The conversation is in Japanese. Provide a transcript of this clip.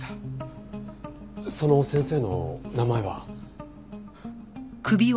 その先生の名前は？